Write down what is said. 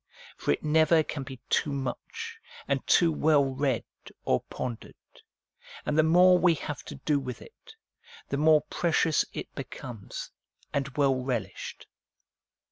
For it never can be too much and too well read or pondered, and the more we have to do with it, the more precious it becomes and well relished.